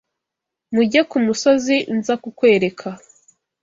mujye ku musozi nza kukwereka.